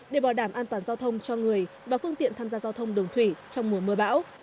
để bảo đảm an toàn giao thông cho người và phương tiện tham gia giao thông đường thủy trong mùa mưa bão